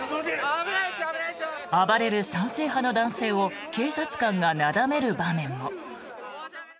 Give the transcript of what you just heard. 暴れる賛成派の男性を警察官がなだめる場面も。